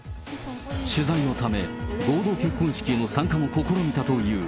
取材のため、合同結婚式への参加も試みたという。